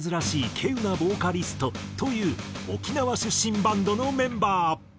稀有なボーカリストという沖縄出身バンドのメンバー。